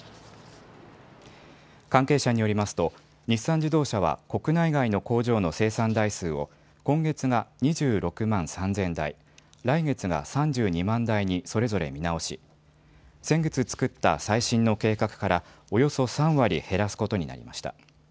関係者によりますと日産自動車は国内外の工場の生産台数を今月が２６万３０００台、来月が３２万台にそれぞれ見直し先月作った最新の計画からおよそ３割減らすことになりました。